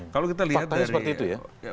faktanya seperti itu ya